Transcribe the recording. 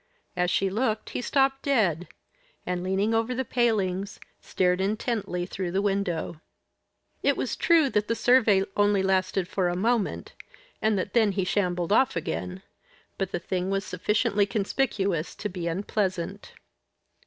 As she looked he stopped dead, and, leaning over the palings, stared intently through the window. It was true that the survey only lasted for a moment, and that then he shambled off again, but the thing was sufficiently conspicuous to be unpleasant.